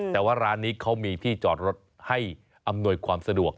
แต่ว่าร้านนี้เขามีที่จอดรถให้อำนวยความสะดวก